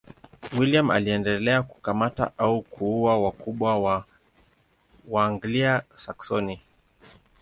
William aliendelea kukamata au kuua wakubwa wa Waanglia-Saksoni.